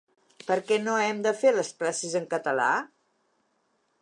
Per què no hem de fer les classes en català?